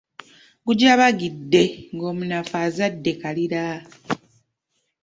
Gujabagidde, ng’omunafu azadde kaliira.